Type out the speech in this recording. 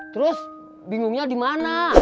terus bingungnya di mana